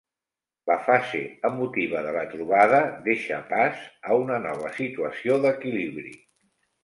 La fase emotiva de la trobada deixa pas a una nova situació d'equilibri.